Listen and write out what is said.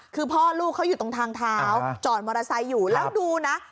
คือพ่อลูกเขาอยู่ตรงทางเท้าจอดมอเตอร์ไซค์อยู่แล้วดูนะ